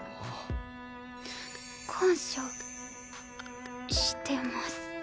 感謝してます。